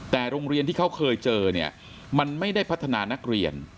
แต่โรงเรียนที่เขาเคยเจอเนี่ยมันไม่ได้พัฒนานักเรียน